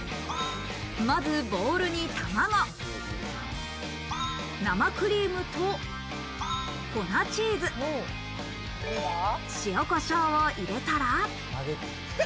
まずボウルに卵、生クリームと、粉チーズ、塩コショウを入れたら。